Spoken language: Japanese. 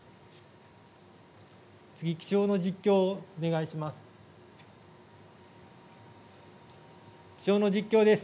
次、気象の実況をお願いします。